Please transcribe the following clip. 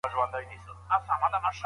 ده د ټولنيزو اصلاحاتو طريقه ښودله